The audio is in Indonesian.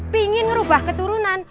pingin ngerubah keturunan